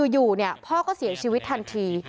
อยู่พ่อก็เสียชีวิตทันที